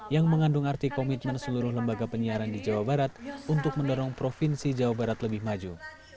yang mengandung arti komitmen seluruh lembaga penyiaran di jawa barat untuk mendorong provinsi jawa barat lebih maju